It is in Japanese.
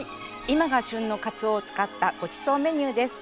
今が旬のかつおを使ったごちそうメニューです。